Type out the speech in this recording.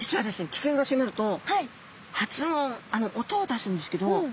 危険が迫ると発音音を出すんですけど。